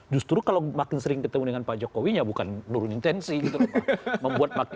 justru kalau makin sering ketemu dengan pak jokowi ya bukan nurunin tensi gitu